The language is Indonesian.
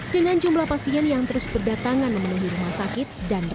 dengan jumlah pasien yang terus berdatangan memenuhi rumah sakit